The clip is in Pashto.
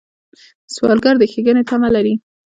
سوالګر د ښېګڼې تمه لري